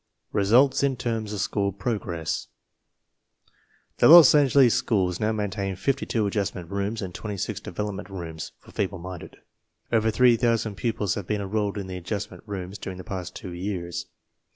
RESULTS IN TERMS OF SCHOOL PROGRESS The Los Angeles schools now maintain 52 Adjustment Rooms and 26 Development Rooms (for feeble minded). Over 3000 pupils have been enrolled in the Adjustment Rooms during the past two years.